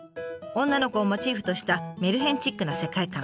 女の子をモチーフとしたメルヘンチックな世界観。